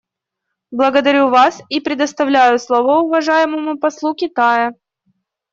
Благодарю вас и предоставляю слово уважаемому послу Китая.